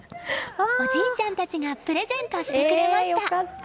おじいちゃんたちがプレゼントしてくれました。